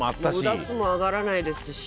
うだつも上がらないですし。